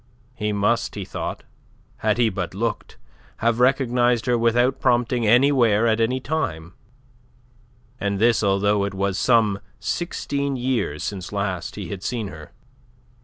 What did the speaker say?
He must, he thought, had he but looked, have recognized her without prompting anywhere at any time, and this although it was some sixteen years since last he had seen her.